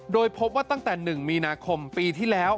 โดยพบว่าตั้งแต่๑มีนาคมปีที่แล้ว